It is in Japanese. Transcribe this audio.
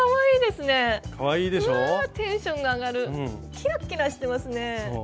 キラッキラしてますね。